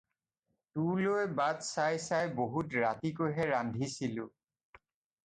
তোলৈ বাট চাই চাই বহুত ৰাতিকৈহে ৰান্ধিছিলোঁ।